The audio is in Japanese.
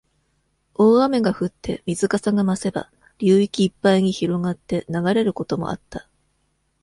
大雨が降って、水かさが増せば、流域いっぱいに広がって流れることもあった。